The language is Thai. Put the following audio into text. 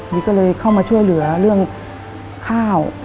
นี่ก็เลยเข้ามาช่วยเหลือเรื่องข้าว